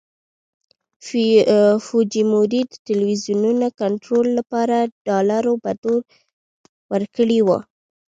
فوجیموري د ټلویزیونونو کنټرول لپاره ډالرو بډو ورکړي وو.